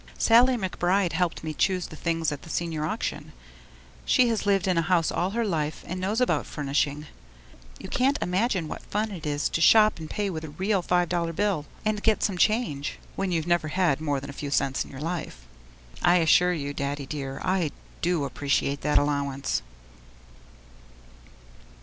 Sallie McBride helped me choose the things at the Senior auction. She has lived in a house all her life and knows about furnishing. You can't imagine what fun it is to shop and pay with a real five dollar bill and get some change when you've never had more than a few cents in your life. I assure you, Daddy dear, I do appreciate that allowance.